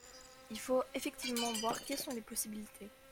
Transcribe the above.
Il faut effectivement voir quelles sont les possibilités.